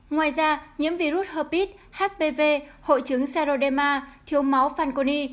ngoài ra nhiễm virus herpes hpv hội chứng seroderma thiếu máu fanconi